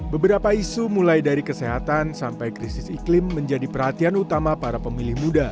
beberapa isu mulai dari kesehatan sampai krisis iklim menjadi perhatian utama para pemilih muda